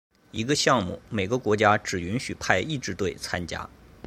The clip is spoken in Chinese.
一个项目每个国家只允许派一支队参加。